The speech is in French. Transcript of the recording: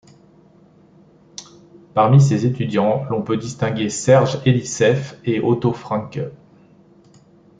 Parmi ses étudiants, l'on peut distinguer Serge Elisséeff et Otto Franke.